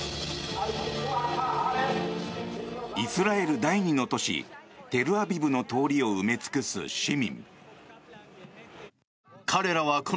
イスラエル第２の都市テルアビブの通りを埋め尽くす市民。